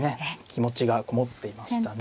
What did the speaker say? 気持ちがこもっていましたね。